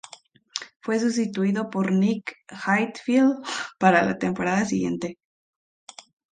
Fue sustituido por Nick Heidfeld para la temporada siguiente.